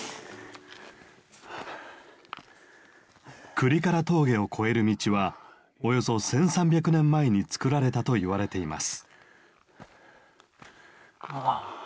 倶利伽羅峠を越える道はおよそ１，３００年前につくられたといわれています。